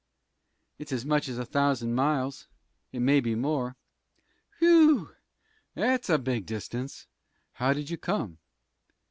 "It's as much as a thousand miles. It may be more." "Phew! That's a big distance. How did you come?"